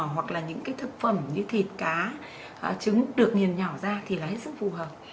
hoặc là những cái thực phẩm như thịt cá trứng được nghiền nhỏ ra thì là hết sức phù hợp